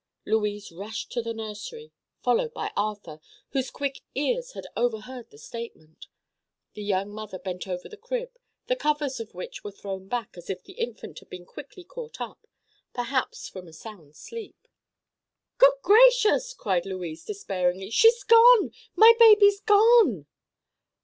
Louise rushed to the nursery, followed by Arthur, whose quick ears had overheard the statement. The young mother bent over the crib, the covers of which were thrown back as if the infant had been quickly caught up—perhaps from a sound sleep. "Good gracious!" cried Louise, despairingly; "she's gone—my baby's gone!"